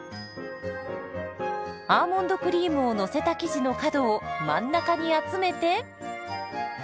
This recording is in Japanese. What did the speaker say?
アーモンドクリームをのせた生地の角を真ん中に集めて。